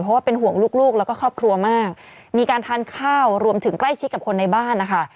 เพราะว่าเป็นห่วงลูกแล้วก็ครอบครัวมากมีการทานข้าวรวมถึงใกล้ชิดกับคนในบ้านนะคะ